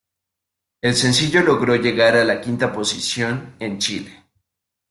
El sencillo logró llegar a la quinta posición en Chile.